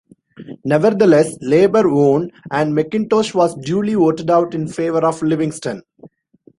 Nevertheless, Labour won, and McIntosh was duly voted out in favour of Livingstone.